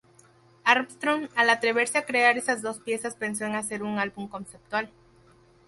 Armstrong al atreverse a crear esas dos piezas pensó en hacer un álbum conceptual.